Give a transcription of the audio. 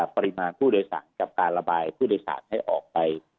ปริมาณผู้โดยสารกับการระบายผู้โดยสารให้ออกไป